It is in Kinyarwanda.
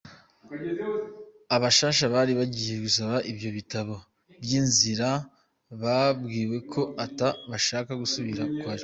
Abashasha bari bagiye gusaba ivyo bitabo vy' inzira, babwiwe ko ata bashasha basubira kwakirwa.